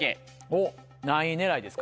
おっ何位狙いですか？